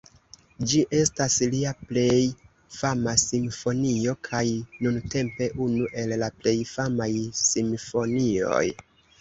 Ĝi estas lia plej fama simfonio, kaj nuntempe unu el la plej famaj simfonioj.